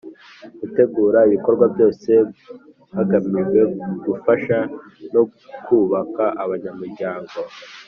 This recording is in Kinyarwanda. Gutegura ibikorwa byose hagamijwe gufasha no kubaka abanyamuryango